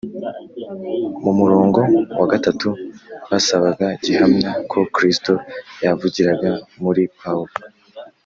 Mu murongo wa gatatu basabaga gihamya ko Kristo yavugiraga muri Pawulo.